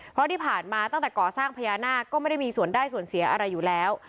เพราะที่ผ่านมาตั้งแต่ก่อสร้างพญานาคก็ไม่ได้มีส่วนได้ส่วนเสียอะไรอยู่แล้ว